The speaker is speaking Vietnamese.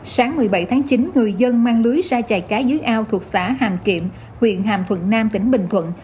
sáng một mươi bảy tháng chín người dân mang lưới ra chạy cá dưới ao thuộc xã hàm kiệm huyện hàm thuận nam tỉnh bình thuận